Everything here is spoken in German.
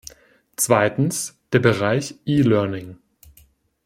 Zweitens, der Bereich e-learning.